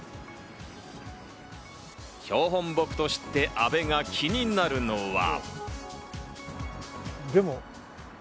標本木として阿部が気になるのは。